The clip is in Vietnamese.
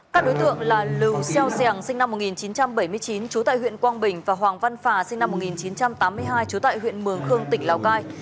các đối tượng là lưu xeo giàng sinh năm một nghìn chín trăm bảy mươi chín trú tại huyện quang bình và hoàng văn phà sinh năm một nghìn chín trăm tám mươi hai trú tại huyện mường khương tỉnh lào cai